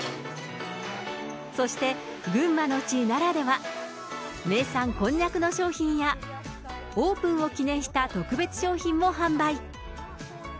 そして、群馬の地ならでは、名産、こんにゃくの商品や、オープンを記念した特別商品も販売。